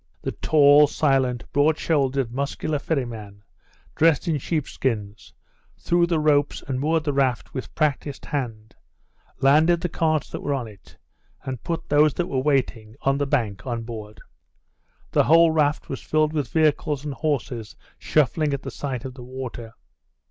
The tall, silent, broad shouldered, muscular ferryman, dressed in sheepskins, threw the ropes and moored the raft with practised hand, landed the carts that were on it, and put those that were waiting on the bank on board. The whole raft was filled with vehicles and horses shuffling at the sight of the water.